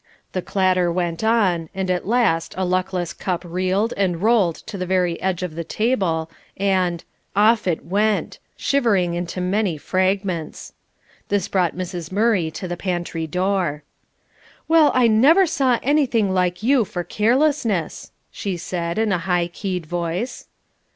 The clatter went on, and at last a luckless cup reeled, and rolled to the very edge of the table, and off it went! shivering into many fragments. This brought Mrs. Murray to the pantry door. "Well, I never saw anything like you for carelessness," she said in a high keyed voice.